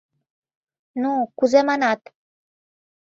— Ну, кузе манат?